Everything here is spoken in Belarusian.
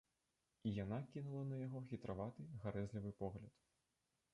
І яна кінула на яго хітраваты гарэзлівы погляд.